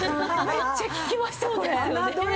めっちゃ効きましたこれ。